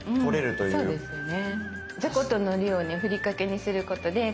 いやそうですね。